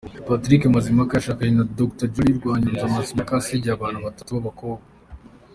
Patrick Mazimpaka yashakanye na Dr Jolly Rwanyonga Mazimpaka asigiye abana batatu b’abakobwa.